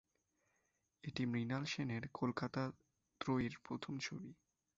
এটি মৃণাল সেনের কলকাতা ত্রয়ীর প্রথম ছবি।